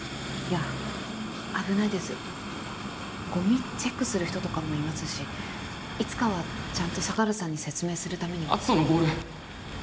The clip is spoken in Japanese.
いや危ないですゴミチェックする人とかもいますしいつかはちゃんと相良さんに説明する篤斗のボール